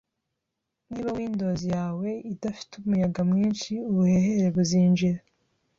Niba Windows yawe idafite umuyaga mwinshi, ubuhehere buzinjira.